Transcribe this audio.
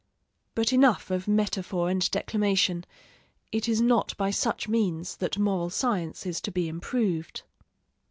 But enough of metaphor and declamation: it is not by such means that moral science is to be improved.